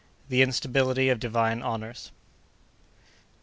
—The Instability of Divine Honors.